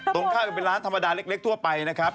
ตรงข้ามก็เป็นร้านธรรมดาเล็กทั่วไปนะครับ